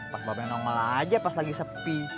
pak bapak yang nongol aja pas lagi sepi